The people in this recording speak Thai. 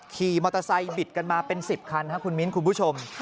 ขี่มอเตอร์ไซค์บิดกันมาเป็น๑๐คันครับคุณมิ้นคุณผู้ชม